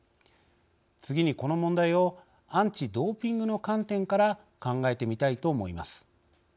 次に、この問題をアンチドーピングの観点から考えてみたいと思います。